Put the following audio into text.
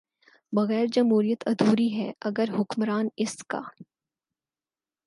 بغیر جمہوریت ادھوری ہے اگر حکمران اس کا